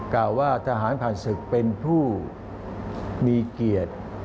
กล่าวว่าทหารผ่านศึกเป็นผู้มีเกียรติ